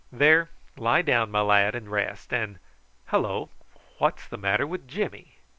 "There, lie down, my lad, and rest, and hallo! what's the matter with Jimmy?"